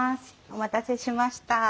お待たせしました。